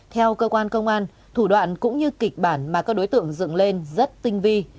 theo cơ quan công an thủ đoạn cũng như kịch bản mà các đối tượng dựng lên rất tinh vi